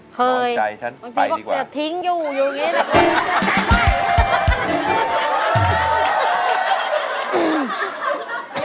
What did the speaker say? เคยเมื่อกี้บอกอย่าทิ้งอยู่อยู่อย่างนี้แหละก็ไป